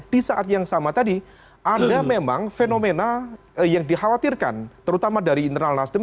di saat yang sama tadi ada memang fenomena yang dikhawatirkan terutama dari internal nasdem